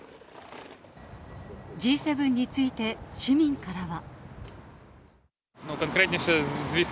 Ｇ７について、市民からは。